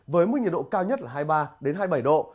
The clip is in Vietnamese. với mức nhiệt độ cao nhất là hai mươi ba hai mươi bảy độ